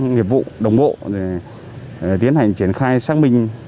nghiệp vụ đồng bộ để tiến hành triển khai xác minh